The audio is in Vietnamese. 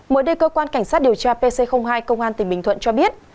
mới đây cơ quan cảnh sát điều tra pc hai công an tỉnh bình thuận cho biết